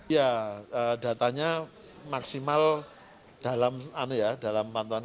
ya datanya maksimal dalam pantauan